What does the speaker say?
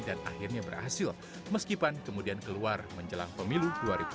dan akhirnya berhasil meskipun kemudian keluar menjelang pemilu dua ribu sembilan belas